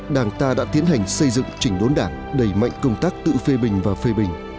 đảng ta đã tiến hành xây dựng chỉnh đốn đảng đẩy mạnh công tác tự phê bình và phê bình